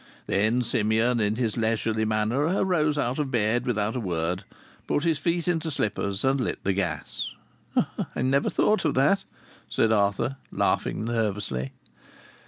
Then Simeon, in his leisurely manner, arose out of bed without a word, put his feet into slippers and lit the gas. "I never thought of that," said Arthur, laughing nervously.